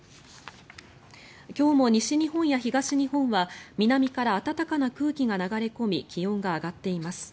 今日も西日本や東日本は南から暖かな空気が流れ込み気温が上がっています。